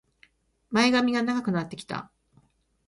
前髪が長くなってきた